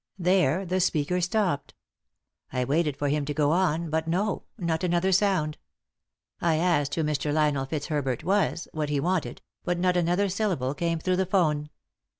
There the speaker stopped. I waited for him to go on, but no, not another sound. I asked who Mr. Lionel Fitzherbert was, what he wanted, but not another syllable came through the 'phone.